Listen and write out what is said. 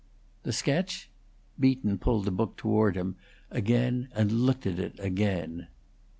"The sketch?" Beaton pulled the book toward him again and looked at it again.